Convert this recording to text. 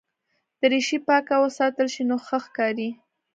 دریشي پاکه وساتل شي نو ښه ښکاري.